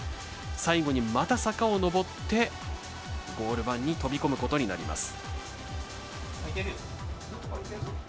最後にまた坂を上ってゴール板に飛び込むことになります。